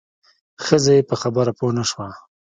ښځه یې په خبره پوه نه شوه.